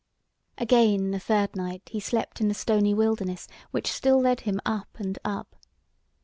Again, the third night, he slept in the stony wilderness, which still led him up and up.